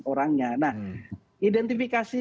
orangnya nah identifikasi